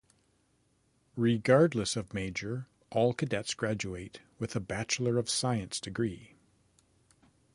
Regardless of major, all cadets graduate with a Bachelor of Science degree.